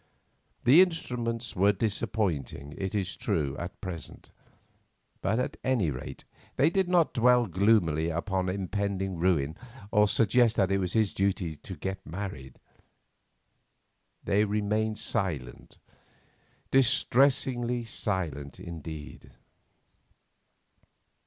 The instruments were disappointing, it is true, at present; but, at any rate, they did not dwell gloomily upon impending ruin or suggest that it was his duty to get married. They remained silent, distressingly silent indeed.